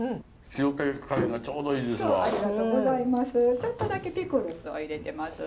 ちょっとだけピクルスを入れてます。